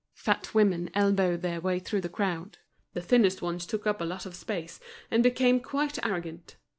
Fat women elbowed their way through the crowd. The thinnest ones took up a lot of space, and became quite arrogant.